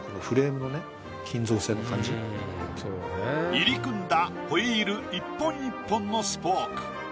入り組んだホイール１本１本のスポーク。